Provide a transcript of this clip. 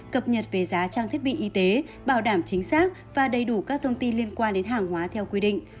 cập nhật về giá trang thiết bị y tế bảo đảm chính xác và đầy đủ các thông tin liên quan đến hàng hóa theo quy định